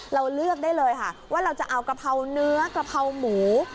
เราเลือกได้เลยค่ะว่าเราจะเอากะเพราเนื้อกะเพราหมู